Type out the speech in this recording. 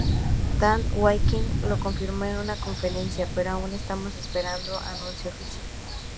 Dan Hawkins lo confirmó en una conferencia, pero aún estamos esperando anuncio oficial.